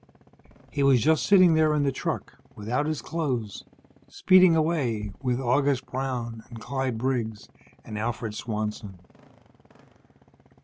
He was just sitting there, in the truck, without his clothes, speeding away with August Brown and Clyde Briggs and Alfred Swanson.